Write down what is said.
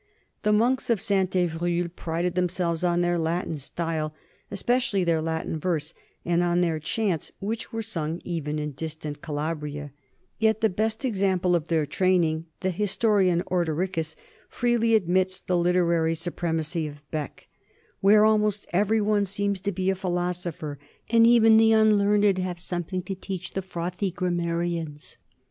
The monks of Saint Evroul prided themselves on their Latin style, especially their Latin verse, and on their chants which were sung even in distant Calabria; yet the best example of their training, the historian Ordericus, freely admits the literary supremacy of Bee, "where almost every one seems to be a philosopher and even the un learned have something to teach the frothy gramma rians."